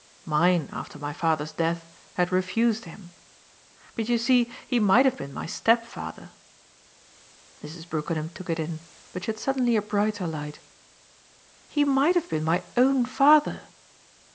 Mine, after my father's death, had refused him. But you see he might have been my stepfather." Mrs. Brookenham took it in, but she had suddenly a brighter light. "He might have been my OWN father!